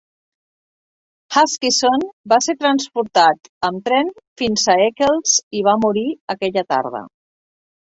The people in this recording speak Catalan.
Huskisson va ser transportat amb tren fins a Eccles i va morir aquella tarda.